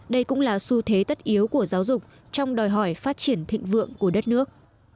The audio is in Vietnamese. đây cũng là xu thế tất yếu của giáo dục trong đòi hỏi phát triển thịnh vượng của đất nước